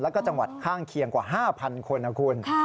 แล้วก็จังหวัดข้างเคียงกว่า๕๐๐คนนะคุณ